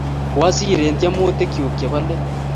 Koasir eng' tyemutikchu chebo let